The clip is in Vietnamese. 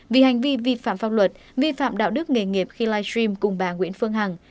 vì hành vi vi phạm pháp luật vi phạm đạo đức nghề nghiệp khi live stream cùng bà nguyễn phương hằng